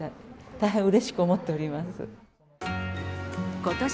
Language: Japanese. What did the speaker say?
大変うれしく思っておりことし